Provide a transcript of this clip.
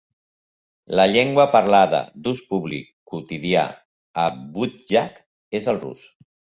La llengua parlada d'ús públic quotidià a Budjak és el rus.